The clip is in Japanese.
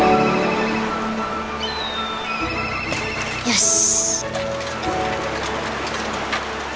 よし。